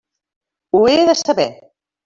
Ho he de saber.